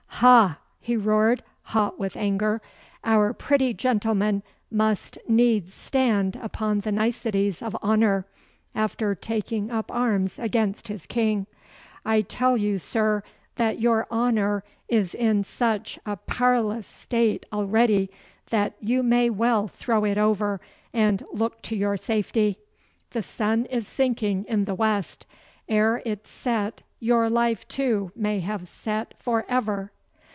'Ha!' he roared, hot with anger. 'Our pretty gentleman must needs stand upon the niceties of honour after taking up arms against his King. I tell you, sir, that your honour is in such a parlous state already that you may well throw it over and look to your safety. The sun is sinking in the west. Ere it set your life, too, may have set for ever.